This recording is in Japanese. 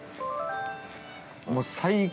もう、最高！